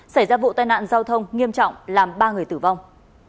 xảy ra vụ tai nạn giao thông nghiêm trọng làm ba người tử vong